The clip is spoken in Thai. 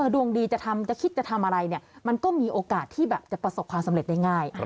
ดวงดีจะทำจะคิดจะทำอะไรเนี่ยมันก็มีโอกาสที่แบบจะประสบความสำเร็จได้ง่าย